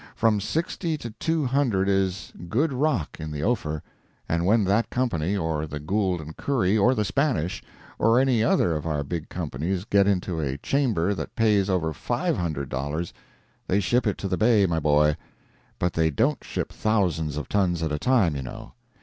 From sixty to two hundred is good rock in the Ophir, and when that company, or the Gould & Curry, or the Spanish, or any other of our big companies get into a chamber that pays over $500, they ship it to the Bay, my boy. But they don't ship thousands of tons at a time, you know.